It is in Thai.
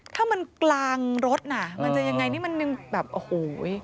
ถ้ามันกลางรถน่ะมันจะยังไงนี่มันยังแบบโอ้โห